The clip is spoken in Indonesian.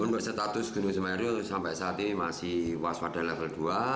untuk status gunung semeru sampai saat ini masih waspada level dua